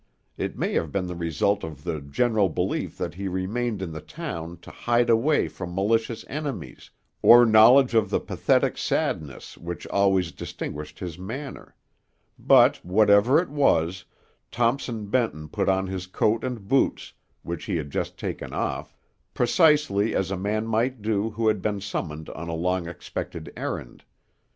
It may have been the result of the general belief that he remained in the town to hide away from malicious enemies, or knowledge of the pathetic sadness which always distinguished his manner; but, whatever it was, Thompson Benton put on his coat and boots, which he had just taken off, precisely as a man might do who had been summoned on a long expected errand.